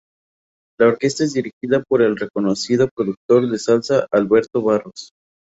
La orquesta es dirigida por el reconocido productor de salsa Alberto Barros.